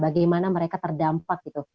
apakah mereka terdampak gitu